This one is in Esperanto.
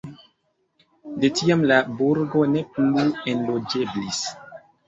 De tiam la burgo ne plu enloĝeblis.